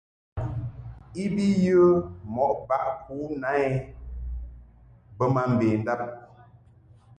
I bi yə mɔʼ baʼ ku na I bə ma mbendab.